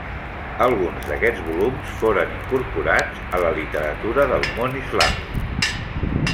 Alguns d'aquests volums foren incorporats a la literatura del món islàmic.